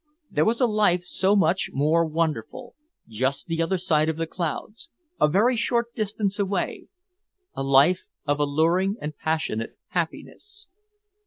There was a life so much more wonderful, just the other side of the clouds, a very short distance away, a life of alluring and passionate happiness.